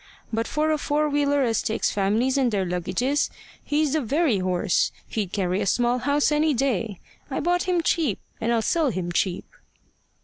But for a four wheeler as takes families and their luggages, he's the very horse. He'd carry a small house any day. I bought him cheap, and I'll sell him cheap."